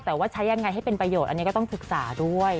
แต่ว่าใช้ยังไงให้เป็นประโยชน์อันนี้ก็ต้องศึกษาด้วย